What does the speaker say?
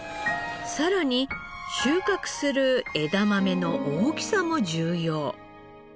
さらに収穫する枝豆の大きさも重要。